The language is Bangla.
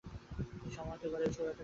তিনি সমাহিত করা সুরাতের রানডারে।